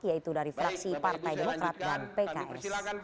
yaitu dari fraksi partai demokrat dan pks